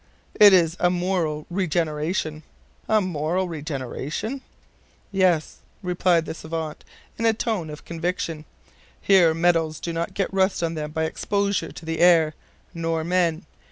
"It is a moral regeneration." "A moral regeneration?" "Yes," replied the SAVANT, in a tone of conviction. "Here metals do not get rust on them by exposure to the air, nor men.